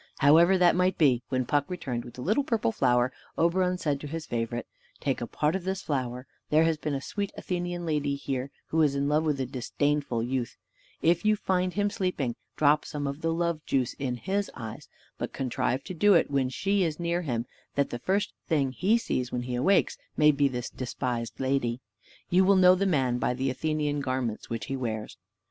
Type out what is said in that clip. However that might be, when Puck returned with the little purple flower, Oberon said to his favorite, "Take a part of this flower; there has been a sweet Athenian lady here, who is in love with a disdainful youth; if you find him sleeping, drop some of the love juice in his eyes, but contrive to do it when she is near him, that the first thing he sees when he awakes may be this despised lady. You will know the man by the Athenian garments which he wears."